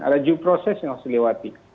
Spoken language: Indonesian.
ada juproses yang harus dilewati